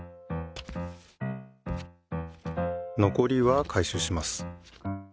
のこりはかいしゅうします。